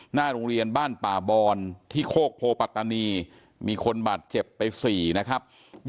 หน้าโรงเรียนบ้านป่าบอนที่โคกโพปัตตานีมีคนบาดเจ็บไป๔นะครับ